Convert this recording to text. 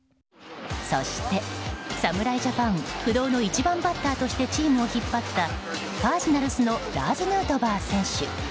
そして、侍ジャパン不動の１番バッターとしてチームを引っ張ったカージナルスのラーズ・ヌートバー選手。